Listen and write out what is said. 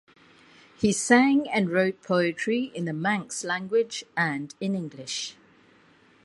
He sang and wrote poetry in the Manx language and in English.